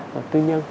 và tư nhân